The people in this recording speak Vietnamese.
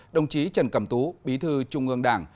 đồng chí trần cẩm tú bí thư trung ương đảng